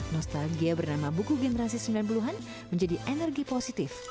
nostalgia bernama buku generasi sembilan puluh an menjadi energi positif